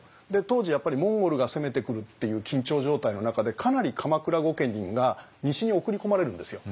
当時やっぱりモンゴルが攻めてくるっていう緊張状態の中でかなり鎌倉御家人が西に送り込まれるんですよ。